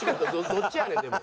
どっちやねんでも。